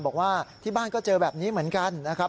บอกว่าที่บ้านก็เจอแบบนี้เหมือนกันนะครับ